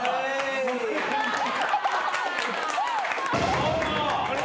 どうも！